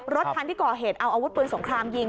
รถคันที่ก่อเหตุเอาอาวุธปืนสงครามยิง